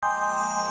aku akan nampak